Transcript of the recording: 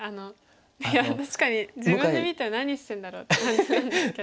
いや確かに自分で見て何してるんだろうって感じなんですけど。